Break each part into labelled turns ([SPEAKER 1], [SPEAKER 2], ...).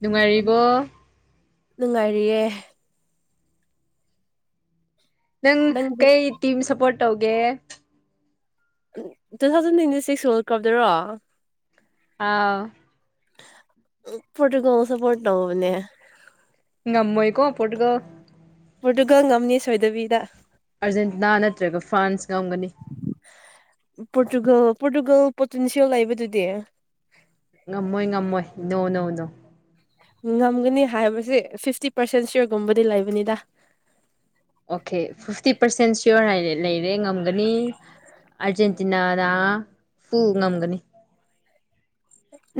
[SPEAKER 1] ꯅꯨꯡꯉꯥꯏꯔꯤꯕꯣ
[SPEAKER 2] ꯅꯨꯡꯉꯥꯏꯔꯤꯌꯦ
[SPEAKER 1] ꯅꯪ
[SPEAKER 2] ꯅꯪꯗꯤ
[SPEAKER 1] ꯀꯩ ꯇꯤꯝ ꯁꯞꯄꯣꯔꯠ ꯇꯧꯒꯦ
[SPEAKER 2] two thousand twenty six world ꯀꯞꯇꯔꯣ
[SPEAKER 1] ꯑꯥꯎ
[SPEAKER 2] [unintelligible] ꯄꯣꯔꯇꯨꯒꯜ ꯁꯄꯣꯔꯠ ꯇꯧꯕꯅꯦ
[SPEAKER 1] ꯉꯝꯃꯣꯏꯀꯣ ꯄꯣꯔꯇꯨꯒꯜ
[SPEAKER 2] ꯄꯣꯔꯇꯨꯒꯜ ꯉꯝꯅꯤ ꯁꯣꯏꯗꯕꯤꯗ
[SPEAKER 1] ꯑꯥꯔꯖꯦꯟꯇꯤꯅꯥ ꯅꯠꯇ꯭ꯔꯒ ꯐ꯭ꯔꯥꯟꯁ ꯉꯝꯒꯅꯤ
[SPEAKER 2] ꯄꯣꯔꯇꯨꯒꯜ ꯄꯣꯔꯇꯨꯒꯜ ꯄꯣꯇꯦꯟꯁꯤꯌꯦꯜ ꯂꯩꯕꯗꯨꯗꯤ
[SPEAKER 1] ꯉꯝꯃꯣꯏ ꯉꯝꯃꯣꯏ ꯅꯣ ꯅꯣ ꯅꯣ
[SPEAKER 2] ꯉꯝꯒꯅꯤ ꯍꯥꯏꯕꯁꯤ ꯐꯤꯐꯇꯤ ꯄꯥꯔꯁꯦꯟ ꯁꯤꯌꯣꯔꯒꯨꯝꯕꯗꯤ ꯂꯩꯕꯅꯤꯗ
[SPEAKER 1] ꯑꯣꯀꯦ ꯐꯤꯐꯇꯤ ꯄꯥꯔꯁꯦꯟ ꯁꯤꯌꯣꯔ ꯍꯥꯏꯔꯦ ꯂꯩꯔꯦ ꯉꯝꯒꯅꯤ ꯑꯥꯔꯖꯦꯟꯇꯤꯅꯥꯗ ꯐꯨ ꯉꯝꯒꯅꯤ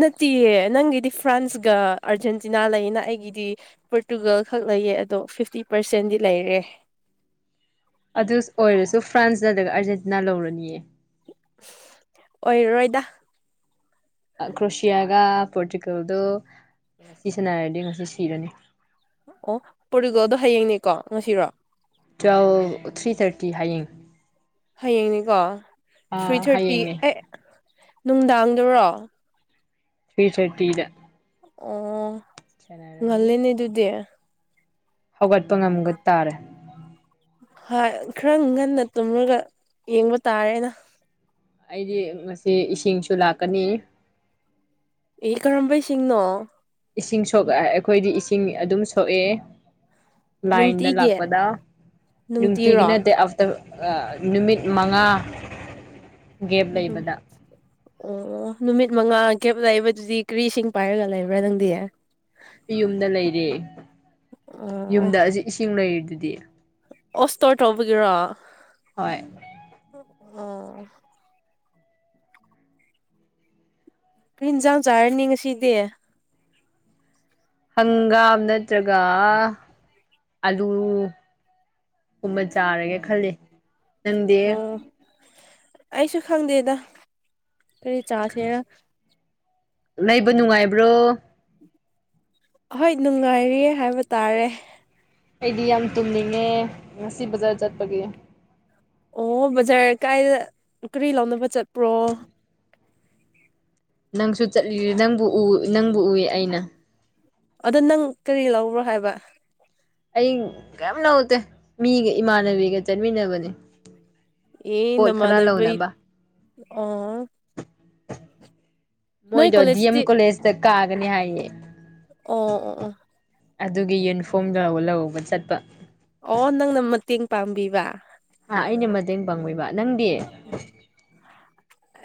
[SPEAKER 2] ꯅꯠꯇꯤꯌꯦ ꯅꯪꯒꯤꯗꯤ ꯐ꯭ꯔꯥꯟꯁꯒ ꯑꯥꯔꯖꯦꯟꯇꯤꯅꯥ ꯂꯩꯅ ꯑꯩꯒꯤꯗꯤ ꯄꯣꯔꯇꯨꯒꯜ ꯈꯛ ꯂꯩꯌꯦ ꯑꯗꯣ ꯐꯤꯐꯇꯤ ꯄꯥꯔꯁꯦꯟꯗꯤ ꯂꯩꯔꯦ
[SPEAKER 1] ꯑꯗꯨꯁ ꯑꯣꯏꯔꯁꯨ ꯐ꯭ꯔꯥꯟꯁ ꯅꯠꯇ꯭ꯔꯒ ꯑꯥꯔꯖꯦꯟꯇꯤꯅꯥ ꯂꯧꯔꯅꯤꯌꯦ
[SPEAKER 2] ꯑꯣꯏꯔꯣꯏꯗ
[SPEAKER 1] ꯀ꯭ꯔꯣꯁꯤꯌꯥꯒ ꯄꯣꯔꯇꯨꯒꯜꯗꯣ ꯉꯁꯤ ꯁꯥꯅꯔꯗꯤ ꯉꯁꯤ ꯁꯤꯔꯅꯤ
[SPEAKER 2] ꯑꯣ ꯄꯣꯔꯇꯨꯒꯜꯗꯣ ꯍꯌꯦꯡꯅꯤꯀꯣ ꯉꯁꯤꯔꯣ
[SPEAKER 1] ꯇꯨꯋꯦꯜ ꯊ꯭ꯔꯤ ꯊꯥꯔꯇꯤ ꯍꯌꯦꯡ
[SPEAKER 2] ꯍꯌꯦꯡꯅꯤꯀꯣ ꯊ꯭ꯔꯤ
[SPEAKER 1] ꯑꯥ
[SPEAKER 2] ꯊꯥꯔꯇꯤ
[SPEAKER 1] ꯍꯌꯦꯡꯅꯦ
[SPEAKER 2] ꯑꯩꯠ ꯅꯨꯡꯗꯥꯡꯗꯨꯔꯣ
[SPEAKER 1] ꯄꯤ ꯊꯥꯔꯇꯤꯗ
[SPEAKER 2] ꯑꯣ
[SPEAKER 1] ꯁꯥꯟꯅꯔꯅꯤ
[SPEAKER 2] ꯉꯜꯂꯦꯅꯦ ꯗꯨꯗꯤ
[SPEAKER 1] ꯍꯧꯒꯠꯄ ꯉꯝꯒ ꯇꯥꯔꯦ
[SPEAKER 2] ꯍꯣꯏ ꯈꯔ ꯉꯟꯅ ꯇꯨꯝꯂꯒ ꯌꯦꯡꯕ ꯇꯥꯔꯦꯅ
[SPEAKER 1] ꯑꯩꯗꯤ ꯉꯁꯤ ꯏꯁꯤꯡꯁꯨ ꯂꯥꯛꯀꯅꯤ
[SPEAKER 2] ꯏ ꯀꯔꯝꯕꯩ ꯏꯁꯤꯡꯅꯣ
[SPEAKER 1] ꯏꯁꯤꯡ ꯁꯣꯛ ꯑꯩꯈꯣꯏꯗꯤ ꯏꯁꯤꯡ ꯑꯗꯨꯝ ꯁꯣꯛꯑꯦ ꯂꯥꯏꯟꯗ
[SPEAKER 2] ꯅꯨꯡꯇꯤꯒꯤ
[SPEAKER 1] ꯂꯥꯛꯄꯗ ꯅꯨꯡꯇꯤꯒꯤ
[SPEAKER 2] ꯅꯨꯡꯇꯤꯔꯣ
[SPEAKER 1] ꯅꯠꯇꯦ [unintelligible] [unintelligible] ꯑ ꯅꯨꯃꯤꯠ ꯃꯉꯥ ꯒꯦꯞ
[SPEAKER 2] ꯎꯝ
[SPEAKER 1] ꯂꯩꯕꯗ
[SPEAKER 2] ꯑꯣ ꯅꯨꯃꯤꯠ ꯃꯉꯥ ꯀꯦꯞ ꯂꯩꯕꯗꯨꯗꯤ ꯀꯔꯤꯁꯤꯡ ꯄꯥꯏꯔꯒ ꯂꯩꯕ꯭ꯔꯥ ꯅꯪꯗꯤ
[SPEAKER 1] ꯑꯩ ꯌꯨꯝꯗ ꯂꯩꯔꯦ ꯌꯨꯝꯗ ꯍꯧꯖꯤꯛ ꯏꯁꯤꯡ ꯂꯩꯔꯤꯗꯨꯗꯤ
[SPEAKER 2] ꯑꯣ ꯁ꯭ꯇꯣꯔ ꯇꯧꯕꯒꯤꯔꯣ
[SPEAKER 1] ꯍꯣꯏ
[SPEAKER 2] ꯑꯣ ꯑꯩꯦꯟ ꯏꯟꯁꯥꯡ ꯆꯥꯔꯅꯤ ꯉꯁꯤꯗꯤ
[SPEAKER 1] ꯍꯪꯒꯥꯝ ꯅꯠꯇ꯭ꯔꯒ ꯑꯂꯨ ꯀꯨꯝꯕ ꯆꯥꯔꯒꯦ ꯈꯜꯂꯤ ꯅꯪꯗꯤ
[SPEAKER 2] ꯑꯣ ꯑꯩꯁꯨ ꯈꯪꯗꯦꯗ ꯀꯔꯤ ꯆꯥꯁꯦꯔ
[SPEAKER 1] ꯂꯩꯕ ꯅꯨꯡꯉꯥꯏꯕ꯭ꯔꯣ
[SPEAKER 2] ꯑꯍꯣꯏ ꯅꯨꯡꯉꯥꯏꯔꯤꯌꯦ ꯍꯥꯏꯕ ꯇꯥꯔꯦ
[SPEAKER 1] ꯑꯩꯗꯤ ꯌꯥꯝ ꯇꯨꯝꯅꯤꯡꯉꯦ ꯉꯁꯤ ꯕꯖꯥꯔ ꯆꯠꯄꯒꯤ
[SPEAKER 2] ꯑꯣ ꯕꯖꯥꯔ ꯀꯥꯏꯗ ꯀꯔꯤ ꯂꯧꯥꯎꯅꯕ ꯆꯠꯄ꯭ꯔꯣ
[SPEAKER 1] ꯅꯪꯁꯨ ꯆꯠꯂꯤ ꯅꯪꯕꯨ ꯅꯪꯕꯨ ꯎꯏ ꯑꯩꯅ
[SPEAKER 2] ꯑꯗ ꯅꯪ ꯀꯔꯤ ꯂꯧꯕ꯭ꯔꯣ ꯍꯥꯏꯕ
[SPEAKER 1] ꯑꯩ ꯀꯌꯥꯝ ꯅꯧꯗꯦ ꯃꯤꯒ ꯏꯃꯥꯟꯅꯕꯤꯒ ꯆꯠꯃꯤꯟꯅꯕꯅꯦ
[SPEAKER 2] ꯑꯦ
[SPEAKER 1] ꯄꯣꯠ ꯈꯔ
[SPEAKER 2] ꯅꯃꯅꯕꯩ
[SPEAKER 1] ꯂꯧꯅꯕ
[SPEAKER 2] ꯑ ꯅꯣꯏ
[SPEAKER 1] ꯃꯣꯏꯗꯣ ꯗꯤ
[SPEAKER 2] ꯀꯣꯂꯦꯖꯇꯤ
[SPEAKER 1] ꯑꯦꯝ ꯀꯣꯂꯦꯖꯇ ꯀꯥꯒꯅꯤ ꯍꯥꯏꯌꯦ
[SPEAKER 2] ꯑꯣ ꯑꯣ
[SPEAKER 1] ꯑꯗꯨꯒꯤ ꯌꯨꯅꯤꯐꯣꯔꯝ ꯂꯧ ꯂꯧꯔꯒ ꯆꯠꯄ
[SPEAKER 2] ꯑꯣ ꯅꯪꯅ ꯃꯇꯦꯡ ꯄꯥꯡꯕꯤꯕ
[SPEAKER 1] ꯑ ꯑꯩꯅ ꯃꯇꯦꯡ ꯄꯥꯡꯕꯤꯕ ꯅꯪꯗꯤ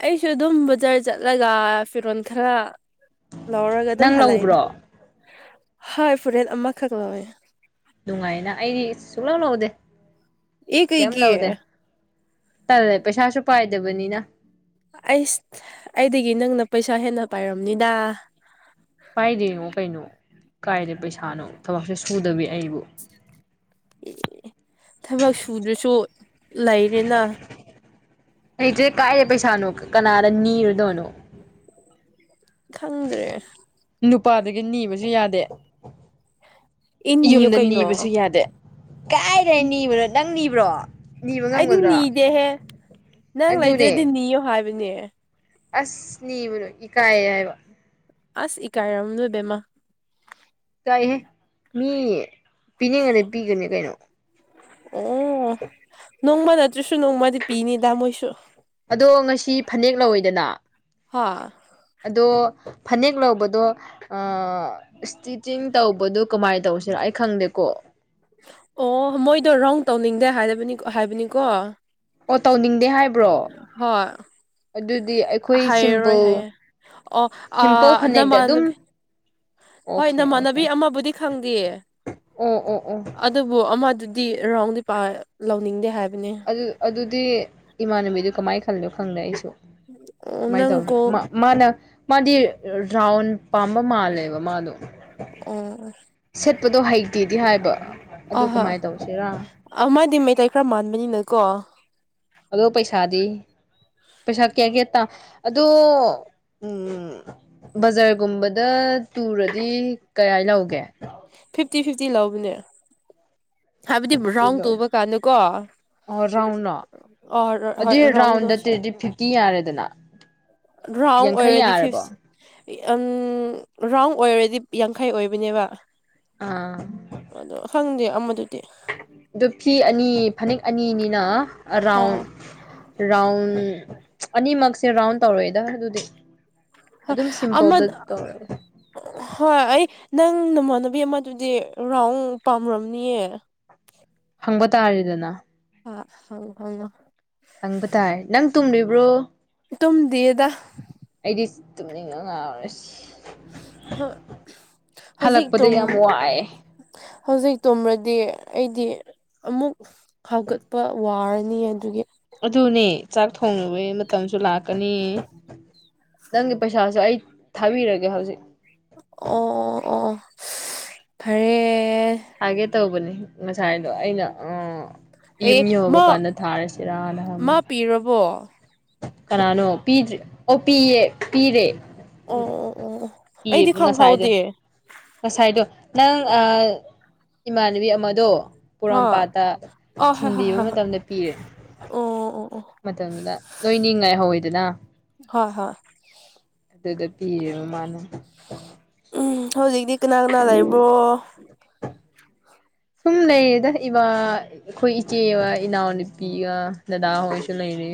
[SPEAKER 2] ꯑꯩꯁꯨ ꯑꯗꯨꯝ ꯕꯖꯥꯔ ꯆꯠꯂꯒ ꯐꯤꯔꯣꯜ ꯈꯔ ꯂꯧꯔꯒ ꯑꯗꯨꯝ
[SPEAKER 1] ꯅꯪ
[SPEAKER 2] ꯍꯜꯂꯛꯏꯗ
[SPEAKER 1] ꯂꯧꯕ꯭ꯔꯣ
[SPEAKER 2] ꯍꯣꯏ ꯐꯨꯔꯤꯦꯠ ꯑꯃꯈꯛ ꯂꯧꯋꯦ
[SPEAKER 1] ꯅꯨꯡꯉꯥꯏꯅ ꯑꯩꯗꯤ ꯁꯨꯡꯛꯂꯞ ꯂꯧꯗꯦ
[SPEAKER 2] ꯑꯦ
[SPEAKER 1] ꯀꯩꯝ ꯂꯧꯗꯦ
[SPEAKER 2] ꯀꯩꯒꯤ
[SPEAKER 1] ꯇꯜꯦ ꯄꯩꯁꯥꯁꯨ ꯄꯥꯏꯗꯕꯅꯤꯅ
[SPEAKER 2] ꯑꯩꯁ ꯑꯩꯗꯒꯤ ꯅꯪꯅ ꯄꯩꯁꯥ ꯍꯦꯟꯅ ꯄꯥꯏꯔꯝꯅꯤꯗ
[SPEAKER 1] ꯄꯥꯏꯗꯦꯉꯣ ꯀꯩꯅꯣ ꯀꯥꯏꯗꯦ ꯄꯩꯁꯥꯅꯣ ꯊꯕꯛꯁꯦ ꯁꯨꯗꯕꯤ ꯑꯩꯕꯨ
[SPEAKER 2] ꯑꯦ ꯊꯕꯛ ꯁꯨꯗ꯭ꯔꯁꯨ ꯂꯩꯔꯦꯅ
[SPEAKER 1] ꯑꯩꯁꯦ ꯀꯥꯏꯔꯦ ꯄꯩꯁꯥꯅꯣ ꯀꯅꯥꯗ ꯅꯤꯔꯨꯗꯣꯏꯅꯣ
[SPEAKER 2] ꯈꯪꯗ꯭ꯔꯦ
[SPEAKER 1] ꯅꯨꯄꯥꯗꯒꯤ ꯅꯤꯕꯁꯨ ꯌꯥꯗꯦ
[SPEAKER 2] ꯏ ꯅꯤꯌꯨ
[SPEAKER 1] ꯌꯨꯝꯗ ꯅꯤꯕꯁꯨ
[SPEAKER 2] ꯀꯩꯅꯣ
[SPEAKER 1] ꯌꯥꯗꯦ ꯀꯥꯏꯗꯦ ꯅꯤꯕꯅꯣ ꯅꯪ ꯅꯤꯕ꯭ꯔꯣ ꯅꯤꯕ
[SPEAKER 2] ꯑꯩꯗꯤ
[SPEAKER 1] ꯉꯝꯒꯗ꯭ꯔꯣ
[SPEAKER 2] ꯅꯤꯗꯦꯍꯦ ꯅꯪ ꯂꯩꯗ꯭ꯔꯗꯤ ꯅꯤꯌꯣ ꯍꯥꯏꯕꯅꯦ
[SPEAKER 1] ꯑꯁꯅꯤꯕꯨꯅ ꯏꯀꯥꯌꯦꯕ
[SPEAKER 2] ꯑꯁ ꯏꯀꯥꯏꯔꯝ ꯅꯣꯏꯕꯦꯝꯃ
[SPEAKER 1] ꯀꯥꯏꯍꯦ ꯃꯤ ꯄꯤꯅꯤꯡꯉꯗꯤ ꯄꯤꯒꯅꯤ ꯀꯩꯅꯣ
[SPEAKER 2] ꯑꯣ ꯅꯣꯡꯃ ꯅꯠꯇ꯭ꯔꯁꯨ ꯅꯣꯡꯃꯗꯤ ꯄꯤꯅꯤꯗ ꯃꯣꯏꯁꯨ
[SPEAKER 1] ꯑꯗꯣ ꯉꯁꯤ ꯐꯅꯦꯛ ꯂꯧꯋꯦꯗꯅ
[SPEAKER 2] ꯍꯥ
[SPEAKER 1] ꯑꯗꯣ ꯐꯅꯦꯛ ꯂꯧꯕꯗꯣ ꯑ ꯏꯁꯇꯤꯆꯤꯡ ꯇꯧꯕꯗꯣ ꯀꯃꯥꯏꯅ ꯇꯧꯁꯤꯅꯣ ꯑꯩ ꯈꯪꯗꯦꯀꯣ
[SPEAKER 2] ꯑꯣ ꯃꯣꯏꯗꯣ ꯔꯥꯎꯟ ꯇꯧꯅꯤꯡꯗꯦ ꯍꯥꯏꯅꯤ ꯍꯥꯏꯕꯅꯤꯀꯣ
[SPEAKER 1] ꯑꯣ ꯇꯣꯅꯤꯡꯗꯦ ꯍꯥꯏ
[SPEAKER 2] ꯍꯣꯏ
[SPEAKER 1] ꯑꯩꯈꯣꯏ
[SPEAKER 2] ꯍꯥꯏꯔꯣꯏ
[SPEAKER 1] ꯁꯤꯝꯄꯜ
[SPEAKER 2] ꯍꯥꯏꯌꯦꯦ ꯑꯣ ꯑ
[SPEAKER 1] ꯁꯤꯝꯄꯜ ꯐꯅꯦꯛꯇ
[SPEAKER 2] ꯅꯃꯥꯟꯅꯕꯤ
[SPEAKER 1] ꯑꯗꯨꯝ
[SPEAKER 2] ꯍꯣꯏ
[SPEAKER 1] ꯑꯣꯀꯦ ꯑꯣꯀꯦ
[SPEAKER 2] ꯅꯃꯥꯟꯅꯕꯤ ꯑꯃꯕꯨꯗꯤ ꯈꯪꯗꯦꯌꯦ ꯑꯗꯨ
[SPEAKER 1] ꯑꯣ ꯑꯣ ꯑꯣ
[SPEAKER 2] ꯑꯗꯨꯕꯨ ꯑꯃꯗꯨꯗꯤ ꯔꯥꯎꯟꯗꯤ ꯂꯧꯅꯤꯡꯗꯦ ꯍꯥꯏꯕꯅꯤ
[SPEAKER 1] ꯑꯗꯨ ꯑꯗꯨꯗꯤ ꯏꯃꯥꯟꯅꯕꯤꯗꯨ ꯀꯃꯥꯏꯅ ꯈꯜꯂꯣ ꯈꯪꯗꯦ ꯑꯩꯁꯨ
[SPEAKER 2] ꯑꯣ
[SPEAKER 1] ꯀꯃꯥꯏꯅ
[SPEAKER 2] ꯅꯪ
[SPEAKER 1] ꯇꯧꯒꯅꯣ
[SPEAKER 2] ꯀꯣꯜ
[SPEAKER 1] ꯃꯥ ꯃꯥꯅ ꯃꯥꯗꯤ ꯔꯥꯎꯟ ꯄꯥꯝꯕ ꯃꯥꯜꯂꯦꯕ ꯃꯥꯗꯣ
[SPEAKER 2] ꯑꯣ
[SPEAKER 1] ꯁꯦꯠꯄꯗꯣ ꯍꯩꯇꯦꯗꯤ ꯍꯥꯏꯕ
[SPEAKER 2] ꯑ
[SPEAKER 1] ꯑꯗꯨ
[SPEAKER 2] ꯍꯣꯏ
[SPEAKER 1] ꯀꯃꯥꯏꯅ ꯇꯧꯁꯤꯔꯥ
[SPEAKER 2] ꯑ ꯃꯥꯗꯤ ꯃꯩꯇꯩ ꯈꯔ ꯃꯥꯟꯕꯅꯤꯅꯀꯣ
[SPEAKER 1] ꯑꯗꯣ ꯄꯩꯁꯥꯗꯤ ꯄꯩꯁꯥ ꯀꯌꯥ ꯀꯌꯥ ꯇ ꯑꯗꯣ ꯎꯝ ꯕꯖꯥꯔꯒꯨꯝꯕꯗ ꯇꯨꯔꯗꯤ ꯀꯥꯏ ꯂꯧꯒꯦ
[SPEAKER 2] ꯐꯤꯐꯇꯤ ꯐꯤꯐꯇꯤ ꯂꯧꯕꯅꯦ ꯍꯥꯏꯕꯗꯤ ꯔꯥꯎꯟ
[SPEAKER 1] ꯂꯣ
[SPEAKER 2] ꯇꯨꯕ ꯀꯥꯟꯗꯀꯣ
[SPEAKER 1] ꯑꯣ ꯔꯥꯎꯂꯣ
[SPEAKER 2] ꯑꯣ ꯍꯣꯏ
[SPEAKER 1] ꯑꯗꯨ
[SPEAKER 2] ꯔꯥꯎꯟꯗꯣ
[SPEAKER 1] ꯔꯥꯎꯟꯗꯠꯇꯦꯗꯤ ꯐꯤꯐꯇꯤ ꯌꯥꯔꯦꯗꯅ
[SPEAKER 2] ꯔꯥꯎꯟ
[SPEAKER 1] ꯌꯥꯡꯈꯩ
[SPEAKER 2] ꯑꯣꯏꯔꯗꯤ
[SPEAKER 1] ꯌꯥꯔꯕꯣ
[SPEAKER 2] ꯐꯤꯐ ꯌꯥꯝ ꯔꯥꯎꯟ ꯑꯣꯏꯔꯗꯤ ꯌꯥꯡꯈꯩ ꯑꯣꯏꯕꯅꯦꯕ
[SPEAKER 1] ꯑꯥ
[SPEAKER 2] ꯑꯗꯣ ꯈꯪꯗꯦ ꯑꯃꯗ
[SPEAKER 1] ꯑꯗꯨ ꯐꯤ ꯑꯅꯤ ꯐꯅꯦꯛ ꯑꯅꯤꯅꯤꯅ
[SPEAKER 2] ꯍꯥ
[SPEAKER 1] ꯑꯔꯥꯎꯟ ꯔꯥꯎꯟ ꯑꯅꯤꯃꯛꯁꯦ ꯔꯥꯎꯟ ꯇꯧꯔꯦꯗ ꯑꯗꯨꯗꯤ ꯑꯗꯨꯝ
[SPEAKER 2] ꯑꯃ
[SPEAKER 1] ꯁꯤꯝꯄꯜꯗ ꯇꯧꯔꯒ
[SPEAKER 2] ꯍꯣꯏ ꯑꯩ ꯅꯪ ꯅꯃꯥꯟꯅꯨꯕꯤ ꯑꯃꯗꯨꯗꯤ ꯔꯥꯎꯟ ꯄꯥꯝꯔꯝꯅꯤꯌꯦ
[SPEAKER 1] ꯍꯪꯕ ꯇꯥꯔꯦꯗꯅ
[SPEAKER 2] ꯑ ꯍ ꯍ
[SPEAKER 1] ꯍꯪꯕ ꯇꯥꯏ ꯅꯪ ꯇꯨꯝꯂꯤꯕ꯭ꯔꯣ
[SPEAKER 2] ꯇꯨꯝ ꯗꯗ
[SPEAKER 1] ꯑꯩꯗꯤ ꯇꯨꯝꯅꯤꯡꯅ ꯉꯥꯎꯥꯎꯔꯦꯁꯤ
[SPEAKER 2] ꯍꯧꯖꯤꯛ
[SPEAKER 1] ꯍꯜꯂꯛꯄꯗꯤ
[SPEAKER 2] ꯇꯨꯝ
[SPEAKER 1] ꯌꯥꯝ ꯋꯥꯏꯑꯦ
[SPEAKER 2] ꯍꯧꯖꯤꯛ ꯇꯨꯝꯃꯗꯤ ꯑꯩꯗꯤ ꯑꯃꯨꯛ ꯍꯧꯒꯠꯄ ꯋꯥꯔꯅꯤ ꯑꯗꯨꯒꯤ
[SPEAKER 1] ꯑꯗꯨꯅꯦ ꯆꯥꯛ ꯊꯣꯡꯅꯕꯩ ꯃꯇꯝꯁꯨ ꯂꯥꯛꯀꯅꯤ ꯅꯪꯒꯤ ꯄꯩꯁꯥꯁꯨ ꯑꯩ ꯊꯥꯕꯤꯔꯒꯦ ꯍꯧꯖꯤꯛ
[SPEAKER 2] ꯑꯣ ꯑꯣ ꯑꯣ ꯐꯔꯦ ꯑꯦ
[SPEAKER 1] ꯊꯥꯒꯦ ꯇꯧꯕꯅꯤ ꯉꯁꯥꯏꯗꯣ ꯑꯩꯅ ꯑ ꯌꯨꯝ
[SPEAKER 2] ꯑꯦ
[SPEAKER 1] ꯌꯡꯕ
[SPEAKER 2] ꯃꯥ
[SPEAKER 1] ꯀꯥꯟꯗ ꯊꯥꯔꯁꯤꯔꯅ
[SPEAKER 2] ꯃꯥ
[SPEAKER 1] ꯍꯪꯃꯒ
[SPEAKER 2] ꯄꯤꯔꯕꯣ
[SPEAKER 1] ꯀꯅꯥꯅꯣ ꯄꯤꯗꯦ ꯑꯣ ꯄꯤꯌꯦ ꯄꯤꯔꯦ
[SPEAKER 2] ꯑꯣ ꯑꯣ ꯑꯣ ꯑꯣ ꯑꯩꯗꯤ
[SPEAKER 1] ꯑꯦꯉꯁꯥꯏꯗꯣ
[SPEAKER 2] ꯈꯪꯍꯧꯗꯦ
[SPEAKER 1] ꯉꯁꯥꯏꯗꯣ ꯅꯪ ꯏꯃꯥꯟꯅꯕꯤ ꯑꯃꯗꯣ
[SPEAKER 2] ꯍꯥ
[SPEAKER 1] ꯄꯣꯔꯣꯝꯄꯥꯠꯇ
[SPEAKER 2] ꯑ ꯍꯣꯏ ꯍꯣꯏ
[SPEAKER 1] ꯊꯤꯟꯕꯤꯕ
[SPEAKER 2] ꯍꯣꯏ ꯍꯣꯏ
[SPEAKER 1] ꯃꯇꯝꯗ ꯄꯤꯔꯦ
[SPEAKER 2] ꯑꯣ ꯑꯣ ꯑꯣ
[SPEAKER 1] ꯃꯇꯝꯗꯨꯗ ꯂꯣꯏꯅꯤꯡꯉꯥꯏ ꯍꯧꯋꯤꯗꯅ
[SPEAKER 2] ꯑꯣ ꯍꯣꯏ ꯍꯣꯏ
[SPEAKER 1] ꯑꯗꯨꯗ ꯄꯤꯔ ꯃꯥꯅ
[SPEAKER 2] ꯎꯝ ꯍꯧꯖꯤꯛꯇꯤ ꯀꯅꯥ ꯀꯅꯥ ꯂꯩꯕ꯭ꯔꯣ
[SPEAKER 1] ꯁꯨꯝꯃꯅ ꯏꯗ ꯏꯕ ꯑꯩꯈꯣꯏ ꯏꯆꯦꯑꯃ ꯏꯅꯥꯎꯅꯨꯄꯤꯒ ꯗꯗꯥꯍꯣꯏꯁꯨ ꯂꯩꯔꯤ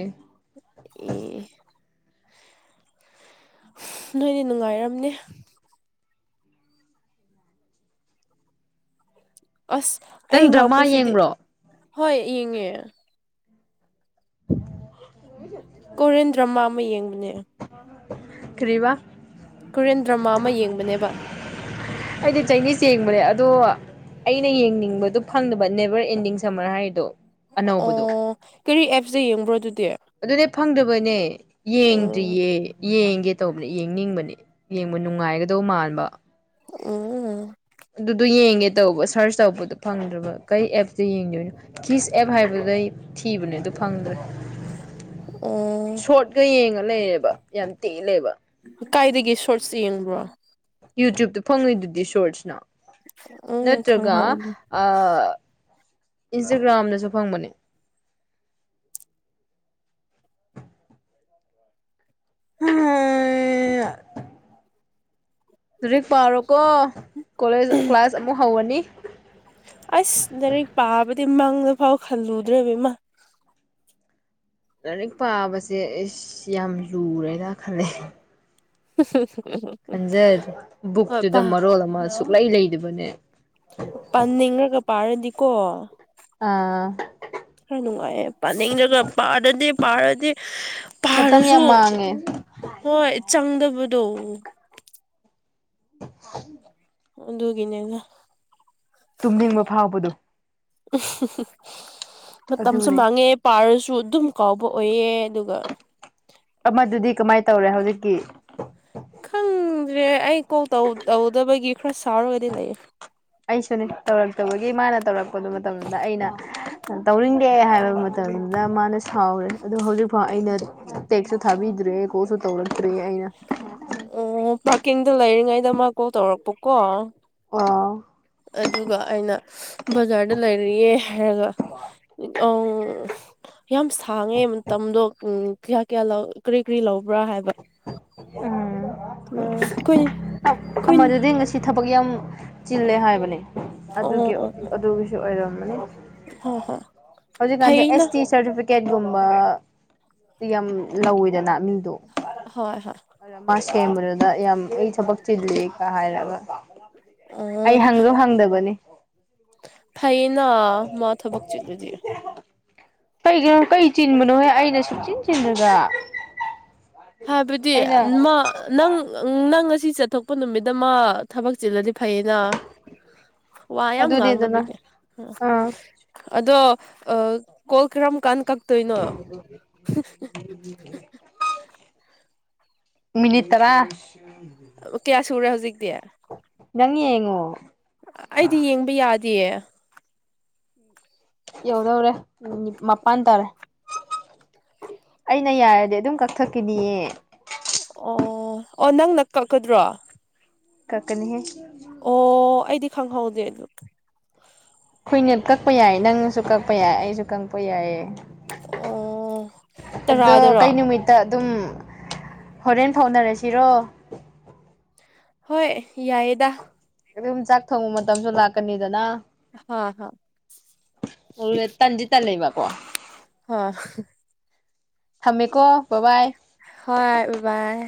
[SPEAKER 2] ꯎ ꯅꯣꯏꯗꯤ ꯅꯨꯡꯉꯥꯏꯔꯝꯅꯦ ꯑꯁ ꯑꯩ
[SPEAKER 1] ꯅꯪ ꯗ꯭ꯔꯃꯥ
[SPEAKER 2] ꯉꯥꯛꯄꯁꯤꯗꯤ
[SPEAKER 1] ꯌꯦꯡꯕ꯭ꯔꯣ
[SPEAKER 2] ꯍꯣꯏ ꯌꯦꯡꯉꯦ
[SPEAKER 1] [unintelligible]
[SPEAKER 2] ꯀꯣꯔꯤꯌꯟ ꯗ꯭ꯔꯃꯥ ꯑꯃ ꯌꯦꯡꯕꯅꯦ
[SPEAKER 1] ꯀ꯭ꯔꯤꯕꯥ
[SPEAKER 2] ꯀꯣꯔꯤꯌꯟ ꯗ꯭ꯔꯃꯥ ꯑꯃ ꯌꯦꯡꯕꯅꯦꯕ
[SPEAKER 1] ꯑꯩꯗꯤ ꯆꯥꯏꯅꯤꯁ ꯆꯦꯡꯕꯅꯦ ꯑꯗꯣ ꯑꯩꯅ ꯌꯦꯡꯅꯤꯡꯕꯗꯣ ꯐꯪꯗꯕ ꯅꯦꯕꯔ ꯑꯦꯟꯗꯤꯡ ꯁꯝꯃꯔ ꯍꯥꯏꯔꯤꯗꯣ
[SPEAKER 2] ꯑꯣ ꯀꯔꯤ ꯑꯦꯞꯁꯇ ꯌꯦꯡꯕ꯭ꯔꯣ ꯑꯗꯨꯗꯤ
[SPEAKER 1] ꯑꯗꯨꯅꯦ ꯐꯪꯗꯕꯅꯦ
[SPEAKER 2] ꯎꯝ
[SPEAKER 1] ꯌꯦꯡꯗ꯭ꯔꯤꯌꯦ ꯌꯦꯡꯒꯦ ꯇꯧꯕꯅꯦ ꯌꯦꯡꯅꯤꯡꯕꯅꯤ ꯌꯦꯡꯕ ꯅꯨꯡꯉꯥꯏꯒꯗꯧ ꯃꯥꯟꯕ
[SPEAKER 2] ꯑ
[SPEAKER 1] ꯑꯗꯨꯗꯣ ꯌꯦꯡꯒꯦ ꯇꯧꯕ ꯁꯔꯁ ꯇꯧꯕꯗꯣ ꯐꯪꯗ꯭ꯔꯕ ꯀꯩ ꯑꯦꯞꯇ ꯌꯦꯡꯗꯣꯏꯅꯣ ꯀꯤꯁ ꯑꯦꯞ ꯍꯥꯏꯕꯗꯩ ꯊꯤꯕꯅꯦ ꯑꯗꯨ ꯐꯪꯗ꯭ꯔꯦ
[SPEAKER 2] ꯑꯣꯝ
[SPEAKER 1] ꯁꯣꯔꯠꯀ ꯌꯦꯡꯉ ꯂꯩꯌꯦꯕ ꯌꯥꯝ ꯇꯦꯜꯂꯦꯕ
[SPEAKER 2] ꯀꯥꯏꯗꯒꯤ ꯁꯣꯔꯠꯁ ꯌꯦꯡꯕ꯭ꯔꯣ
[SPEAKER 1] ꯌꯨꯇ꯭ꯌꯨꯕꯇ ꯐꯪꯉꯣꯏꯗꯨꯗꯤ ꯁꯣꯔꯁꯅꯣ
[SPEAKER 2] ꯎꯝ
[SPEAKER 1] ꯅꯠꯇ꯭ꯔꯒ
[SPEAKER 2] ꯈꯪꯍꯧꯗꯦ
[SPEAKER 1] ꯏꯟꯁꯇꯒ꯭ꯔꯥꯝꯗꯁꯨ ꯐꯪꯕꯅꯦ ꯍꯧꯖꯤꯛ ꯄꯥꯔꯣꯀꯣ ꯀꯣꯂꯦꯖ ꯀ꯭ꯂꯥꯁ ꯑꯃꯨꯛ ꯍꯧꯔꯅꯤ
[SPEAKER 2] ꯑꯁ ꯂꯥꯏꯔꯤꯛ ꯄꯥꯕꯗꯤ ꯃꯪꯗꯐꯥꯎ ꯈꯜꯂꯨꯗ꯭ꯔꯦꯕ ꯏꯃꯥ
[SPEAKER 1] ꯂꯥꯏꯔꯤꯛ ꯄꯥꯕꯁꯦ ꯑꯩꯁ ꯌꯥꯝ ꯂꯨꯔꯦꯅ ꯈꯂꯦ
[SPEAKER 2] ꯍ
[SPEAKER 1] ꯈꯟꯖꯔꯦ ꯕꯨꯛꯇꯨꯗ ꯃꯔꯣꯜ ꯑꯃ ꯁꯨꯛꯂꯩ ꯂꯩꯗꯕꯅꯦ
[SPEAKER 2] ꯄꯟꯅꯦꯉ꯭ꯔꯒ ꯄꯥꯔꯗꯤꯀꯣ
[SPEAKER 1] ꯑꯥ
[SPEAKER 2] ꯈꯔ ꯅꯨꯡꯉꯥꯏꯌꯦꯦ ꯄꯥꯅꯤꯡꯗꯒ ꯄꯥꯔꯗꯤ ꯄꯥꯔꯗꯤ ꯄꯥꯔꯁꯨ
[SPEAKER 1] ꯍ
[SPEAKER 2] ꯍꯣꯏ ꯆꯪꯗꯕꯗꯣ
[SPEAKER 1] [unintelligible]
[SPEAKER 2] ꯑꯗꯨꯒꯤꯅꯦꯅ
[SPEAKER 1] ꯇꯨꯝꯅꯤꯡꯕ ꯐꯥꯎꯕꯗꯣ
[SPEAKER 2] [unintelligible] ꯃꯇꯝꯁꯨ
[SPEAKER 1] ꯑꯗꯨꯅꯦ
[SPEAKER 2] ꯃꯥꯡꯉꯦ ꯄꯥꯔꯁꯨ ꯑꯗꯨꯝ ꯀꯥꯎꯕ ꯑꯣꯏꯑꯦ ꯑꯗꯨꯒ
[SPEAKER 1] ꯑꯃꯗꯨꯗꯤ ꯀꯃꯥꯏꯅ ꯇꯧꯔꯦ ꯍꯧꯖꯤꯛꯀꯤ
[SPEAKER 2] ꯈꯪꯗ꯭ꯔꯦ ꯑꯩ ꯀꯣꯜꯧ ꯇꯧꯗꯕꯒꯤ ꯈꯔ ꯁꯥꯎꯔꯒꯗꯤ ꯂꯩꯌꯦ
[SPEAKER 1] ꯑꯩꯁꯨꯅꯦ ꯇꯧꯔꯛꯇꯕꯒꯤ ꯃꯥꯅ ꯇꯧꯔꯛꯄꯗꯨ ꯃꯇꯝꯗ ꯑꯩꯅ ꯇꯧꯅꯤꯡꯒꯦ ꯍꯥꯏꯕ ꯃꯇꯝꯗꯨꯗ ꯃꯥꯅ ꯁꯥꯎꯔꯦ ꯑꯗꯣ ꯍꯧꯖꯤꯛꯐꯥꯎ ꯑꯩꯅ ꯇꯦꯛꯁꯨ ꯊꯥꯕꯤꯗ꯭ꯔꯦ ꯀꯣꯠꯁꯨ ꯇꯧꯔꯛꯇ꯭ꯔꯦ ꯑꯩꯅ
[SPEAKER 2] ꯑꯣ ꯄꯥꯔꯀꯤꯡꯗ ꯂꯩꯔꯤꯉꯩꯗ ꯃꯥ ꯀꯣꯜ ꯇꯧꯔꯛꯄꯀꯣ
[SPEAKER 1] ꯑ
[SPEAKER 2] ꯑꯗꯨꯒ ꯑꯩꯅ ꯕꯖꯥꯔꯗ ꯂꯩꯔꯤꯌꯦ ꯍꯥꯏꯔꯒ ꯑꯪ ꯌꯥꯝ ꯁꯥꯡꯉꯦ ꯃꯇꯝꯗꯣ ꯀꯌꯥ ꯀꯌꯥ ꯀꯔꯤ ꯀꯔꯤ ꯂꯧꯕ꯭ꯔꯥ ꯍꯥꯏꯕ ꯑꯩꯈꯣꯏ
[SPEAKER 1] ꯎꯝ
[SPEAKER 2] ꯑꯩꯈꯣꯏ
[SPEAKER 1] ꯃꯗꯨꯗꯤ ꯁꯤ ꯊꯕꯛ ꯌꯥꯝ ꯆꯤꯜꯂꯦ ꯍꯥꯏꯕꯅꯦ
[SPEAKER 2] ꯑꯣ
[SPEAKER 1] ꯑꯗꯨꯒꯤ
[SPEAKER 2] ꯑꯣ
[SPEAKER 1] ꯑꯗꯨꯒꯤꯁꯨ ꯑꯣꯏꯔꯝꯝꯕꯅꯤ
[SPEAKER 2] ꯍꯣꯏ ꯍꯣꯏ
[SPEAKER 1] ꯍꯧꯖꯤꯛꯥꯟꯦ
[SPEAKER 2] ꯐꯩꯅ
[SPEAKER 1] ꯑꯦꯁ ꯇꯤ ꯁꯔꯇꯤꯐꯦꯠ ꯇꯤꯀꯦꯠꯒꯨꯝꯕ ꯌꯥꯝ ꯂꯧꯋꯤꯗꯅ ꯃꯤꯗꯣ
[SPEAKER 2] ꯍꯣꯏ ꯍꯣꯏ
[SPEAKER 1] ꯃꯥ ꯁꯦꯝꯕꯨꯔꯗ ꯌꯥꯝ ꯑꯩ ꯊꯕꯛ ꯆꯤꯜꯂꯤꯒ ꯍꯥꯏꯔꯒ
[SPEAKER 2] ꯑꯣ
[SPEAKER 1] ꯑꯩ ꯍꯪꯗꯣ ꯍꯪꯗꯕꯅꯤ
[SPEAKER 2] ꯊꯥꯏꯅ ꯃ ꯊꯕꯛ ꯆꯤꯂꯗꯤ
[SPEAKER 1] ꯀꯩꯒꯤꯅꯣ ꯀꯩ ꯆꯤꯟꯕꯅꯣꯍꯦ ꯑꯩꯅ ꯁꯨꯞꯆꯤꯟ ꯆꯤꯟꯕꯗ
[SPEAKER 2] ꯍꯥꯏꯕꯗꯤ ꯃꯥ ꯅꯪ ꯅꯪ ꯉꯁꯤ ꯆꯠꯊꯣꯛꯄ ꯅꯨꯃꯤꯠꯇ ꯃꯥ ꯊꯕꯛ ꯆꯦꯜꯂꯗꯤ ꯐꯩꯅ ꯋꯥ ꯌꯥꯝ
[SPEAKER 1] ꯑꯗꯨꯅꯦꯗꯅ
[SPEAKER 2] ꯉꯥꯡꯗꯕꯒꯤ ꯎꯝ
[SPEAKER 1] ꯑꯥ
[SPEAKER 2] ꯑꯗꯣ ꯑ ꯀꯣꯜ ꯀꯔꯝ ꯀꯥꯟ ꯀꯥꯛꯇꯣꯏꯅꯣ
[SPEAKER 1] ꯎꯝ ꯃꯤꯅꯤꯠ ꯇꯥꯔꯥ ꯎ
[SPEAKER 2] ꯑꯣ ꯀꯌꯥ ꯁꯨꯔꯦ ꯍꯧꯖꯤꯛꯇꯤ
[SPEAKER 1] ꯅꯪ ꯌꯦꯡꯉꯣ
[SPEAKER 2] ꯑꯩꯗꯤ ꯌꯦꯡꯕ ꯌꯥꯗꯤꯌꯦ
[SPEAKER 1] [inaudible] ꯌꯧꯗꯧꯔꯦ ꯅꯤ ꯃꯄꯟ ꯇꯧꯔꯦ ꯑꯩꯅ ꯌꯥꯔꯗꯤ ꯑꯗꯨꯝ ꯀꯛꯊꯠꯀꯤꯅꯤꯌꯦ
[SPEAKER 2] ꯑꯣ ꯑꯣ ꯅꯪꯅꯪ ꯀꯛꯀꯗ꯭ꯔꯣ
[SPEAKER 1] ꯀꯛꯀꯅꯤꯍꯦ
[SPEAKER 2] ꯑꯣ ꯑꯩꯗꯤ ꯈꯪꯍꯧꯗꯦ ꯑꯗꯨ
[SPEAKER 1] ꯑꯩꯈꯣꯏꯅ ꯀꯛꯄ ꯌꯥꯏ ꯅꯪꯅꯁꯨ ꯀꯛꯄ ꯌꯥꯏ ꯑꯩꯁꯨ ꯀꯛꯄ ꯌꯥꯏꯌꯦ
[SPEAKER 2] ꯑꯣ
[SPEAKER 1] ꯑꯗꯣ ꯀꯩ
[SPEAKER 2] ꯇꯔꯥꯗꯔꯣ
[SPEAKER 1] ꯅꯨꯃꯤꯠ ꯇ ꯑꯗꯨꯝ ꯍꯣꯔꯦꯟ ꯐꯥꯎꯅꯔꯁꯤꯔꯣ
[SPEAKER 2] ꯍꯣꯏ ꯌꯥꯏꯌꯦꯗꯥ
[SPEAKER 1] ꯑꯗꯨꯝ ꯆꯥꯛ ꯊꯣꯡꯕ ꯃꯇꯝꯁꯨ ꯂꯥꯛꯀꯅꯤꯗꯅꯥ
[SPEAKER 2] ꯑꯍ ꯍ
[SPEAKER 1] ꯑꯔꯨꯔꯦꯠ ꯇꯟꯗꯤ ꯇꯜꯂꯦꯕꯀꯣ
[SPEAKER 2] ꯍ
[SPEAKER 1] ꯊꯝꯃꯦꯀꯣ ꯕꯕꯥꯏ
[SPEAKER 2] ꯍꯣꯏ ꯕꯕꯥꯏ